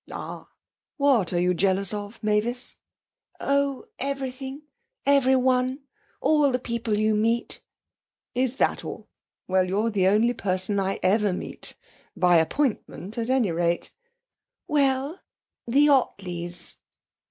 'Ah! What are you jealous of, Mavis?' 'Oh, everything everyone all the people you meet.' 'Is that all? Well, you're the only person I ever meet by appointment, at any rate.' 'Well the Ottleys!'